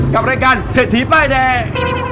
กับรายการเศรษฐีป้ายแดง